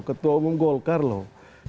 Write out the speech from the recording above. ketua umum golkar loh